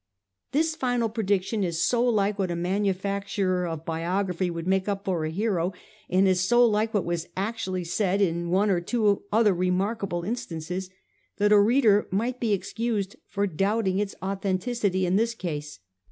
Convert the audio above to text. ' This final prediction is so like what a manufacturer of biography would make up for a hero, and is so like what was actually said in one or two other remarkable instances, that a reader might be excused for doubting its authenticity in this case.